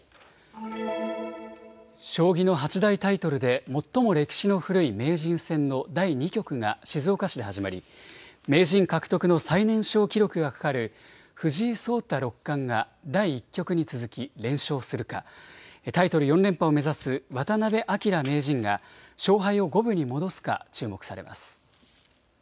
将棋の八大タイトルで最も歴史の古い名人戦の第２局が静岡市で始まり名人獲得の最年少記録がかかる藤井聡太六冠が第１局に続き連勝するか、タイトル４連覇を目指す渡辺明名人が勝敗を五分に戻すか注目されます。